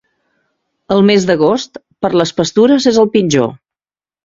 El mes d'agost, per les pastures és el pitjor.